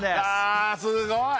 あすごい！